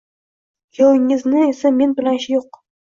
Kuyovingizni esa men bilan ishi yo`q